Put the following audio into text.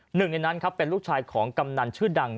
หนึ่งในนั้นครับเป็นลูกชายของกำนันชื่อดัง